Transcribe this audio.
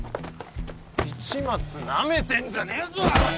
市松なめてんじゃねえぞおら！